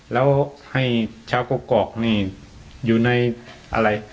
แล้วให้เช้าก๊อกอยู่ในอะไร